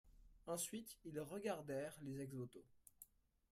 Ensuite ils regardèrent les ex-voto.